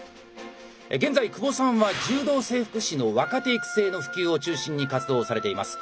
現在久保さんは柔道整復師の若手育成の普及を中心に活動をされています。